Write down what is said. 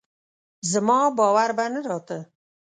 زما باور به نه راته